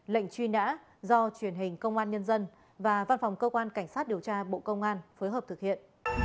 lệnh truy nã do truyền hình công an nhân dân và văn phòng cơ quan cảnh sát điều tra bộ công an phối hợp thực hiện